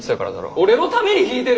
俺のために弾いてる？